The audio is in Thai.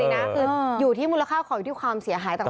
นะคืออยู่ที่มูลค่าของอยู่ที่ความเสียหายต่าง